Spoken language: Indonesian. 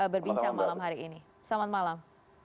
berbincang malam hari ini selamat malam